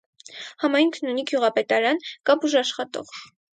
Համայնքն ունի գյուղապետարան, կա բուժաշխատող։